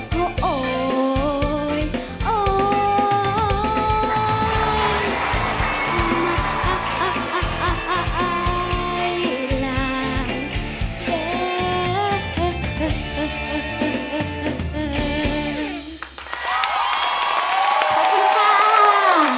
มักอายหลายเด้อ